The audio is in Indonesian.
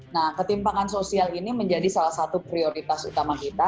nah ketimpangan sosial ini menjadi salah satu prioritas utama kita